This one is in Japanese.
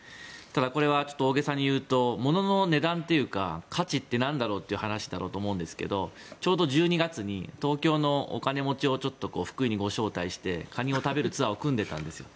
これは大げさに言うとものの値段というか価値ってなんだろうという話だと思うんですがちょうど１２月に東京のお金持ちをちょっと福井にご招待してカニを食べるツアーを組んでいたんですよ。